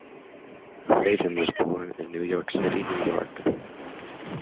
Whedon was born in New York City, New York.